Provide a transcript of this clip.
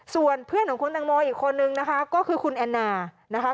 ส่วนเพื่อนของคุณแตงโมอีกคนนึงคุณแอนนะ